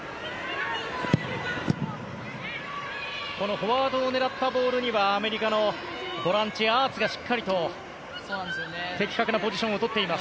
フォワードを狙ったボールにはアメリカのボランチのしっかりと的確なポジションをとっています。